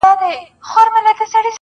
o سوال کوم کله دي ژړلي گراني .